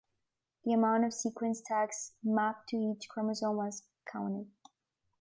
The amount of sequence tags mapped to each chromosome was counted.